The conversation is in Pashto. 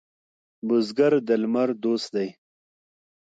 بزګر د لمر دوست دی